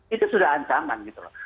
itu sudah ancaman gitu loh